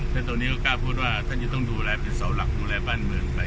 แต่ตอนนี้ก็กล้าพูดว่าท่านจะต้องดูแลเป็นเสาหลักดูแลบ้านเมืองไป